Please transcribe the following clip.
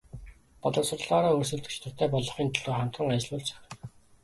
Боловсролоороо өрсөлдөх чадвартай болгохын төлөө хамтран ажиллавал зохино.